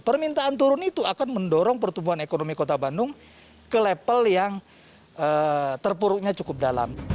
permintaan turun itu akan mendorong pertumbuhan ekonomi kota bandung ke level yang terpuruknya cukup dalam